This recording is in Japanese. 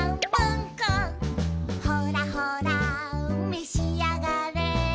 「ほらほらめしあがれ」